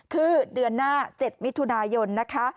คือเดือนหน้า๗มิถุนายนนะคะ